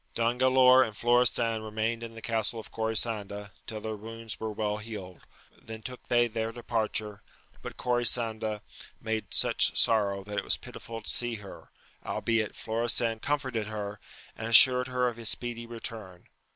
I ON GALAOR and Florestan remained in the castle of Corisanda till their wounds were well healed, then took they their departure ; but Corisanda made such sorrow that it was pitiful to see her, albeit Florestan comforted her, and assured her of his speedy return.